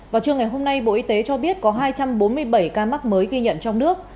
vào trưa ngày hôm nay bộ y tế cho biết có hai trăm bốn mươi bảy ca mắc mới ghi nhận trong nước